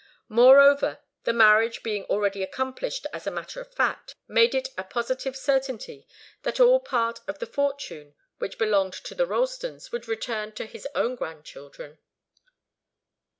Moreover, the marriage being already accomplished and a matter of fact, made it a positive certainty that all that part of the fortune which belonged to the Ralstons would return to his own grandchildren.